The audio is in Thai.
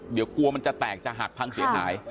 เดี๋ยวกลัวมันจะแตกจะหักพังเสียหาย